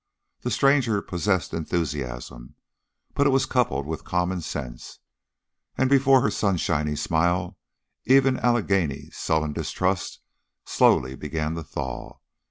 The stranger possessed enthusiasm, but it was coupled with common sense, and before her sunshiny smile even Allegheny's sullen distrust slowly began to thaw.